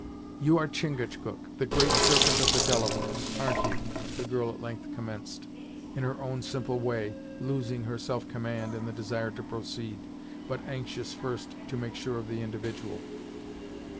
"You are Chingachgook, the Great Serpent of the Delawares, ar'n't you?" the girl at length commenced, in her own simple way losing her self command in the desire to proceed, but anxious first to make sure of the individual.